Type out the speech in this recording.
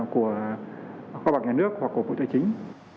của khu vực nhà nước hoặc của bộ tài chính